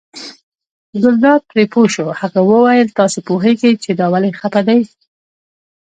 ګلداد پرې پوه شو، هغه وویل تاسې پوهېږئ چې دا ولې خپه دی.